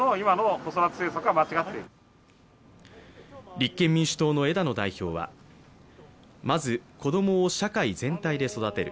立憲民主党の枝野代表はまず子供を社会全体で育てる、